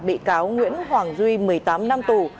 bị cáo nguyễn hoàng duy một mươi tám năm tù